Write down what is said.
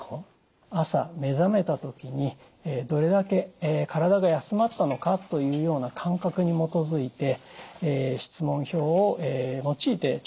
朝目覚めたときにどれだけ体が休まったのかというような感覚に基づいて質問票を用いて調査しました。